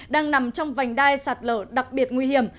đang nằm trong vành đai sạt lở đặc biệt nguy hiểm